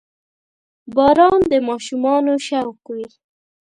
• باران د ماشومانو شوق وي.